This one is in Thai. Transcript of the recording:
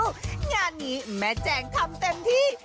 งานนี้แม่แจงทำเต็มที่